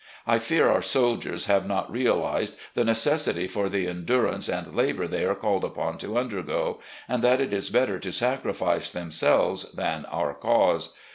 I fear our soldiers have not realised the necessity for the endurance and labour they are called upon to undergo, and that it is better to sacrifice themselves than our cause.